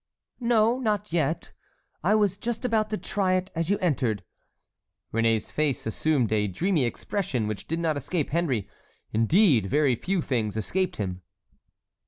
"No, not yet. I was just about to try it as you entered." Réné's face assumed a dreamy expression which did not escape Henry. Indeed, very few things escaped him.